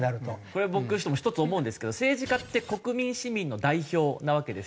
これ僕１つ思うんですけど政治家って国民市民の代表なわけですよね。